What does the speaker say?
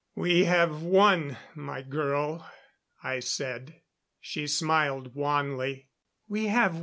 "We have won, my girl," I said. She smiled wanly. "We have won.